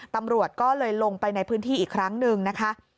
ตำรวจก็เลยลงไปในพื้นที่อีกครั้งหนึ่งนะคะ